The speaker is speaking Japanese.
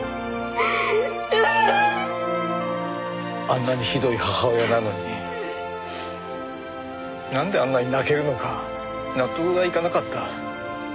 あんなにひどい母親なのになんであんなに泣けるのか納得がいかなかった。